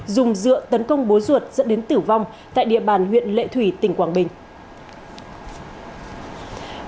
dùng dựa tấn công bố ruột dẫn đến tử vong tại địa bàn huyện lệ thủy tỉnh quảng bình